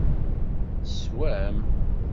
Teswam.